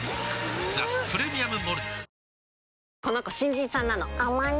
「ザ・プレミアム・モルツ」